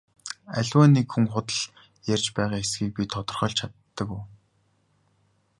Аливаа нэг хүн худал ярьж байгаа эсэхийг би тодорхойлж чаддаг уу?